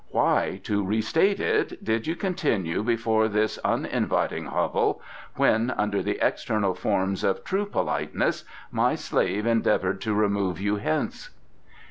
Why, to restate it, did you continue before this uninviting hovel when, under the external forms of true politeness, my slave endeavoured to remove you hence?"